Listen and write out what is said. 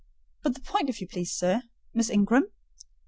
But to the point if you please, sir—Miss Ingram?"